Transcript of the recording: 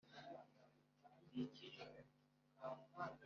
Umutima wawe ari igikange !